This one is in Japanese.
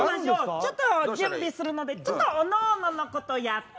ちょっと準備するのでちょっとおのおののことやって。